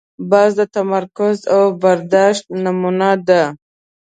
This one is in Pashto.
باز د تمرکز او برداشت نمونه ده